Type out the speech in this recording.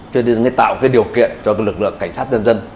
cho nên tạo điều kiện cho lực lượng cảnh sát nhân dân